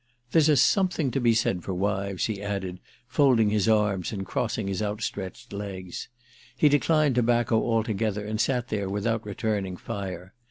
There's a something to be said for wives," he added, folding his arms and crossing his outstretched legs. He declined tobacco altogether and sat there without returning fire.